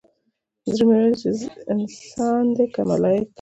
زړه مې ويل چې دى انسان دى که ملايک.